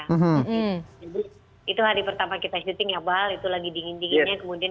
jadi itu hari pertama kita syuting ya bal itu lagi dingin dinginnya